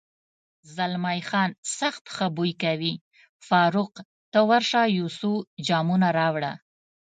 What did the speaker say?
زلمی خان: سخت ښه بوی کوي، فاروق، ته ورشه یو څو جامونه راوړه.